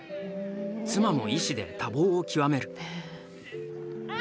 妻も医師で多忙を極める。